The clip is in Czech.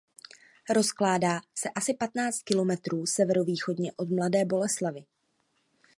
Rozkládá se asi patnáct kilometrů severovýchodně od Mladé Boleslavi.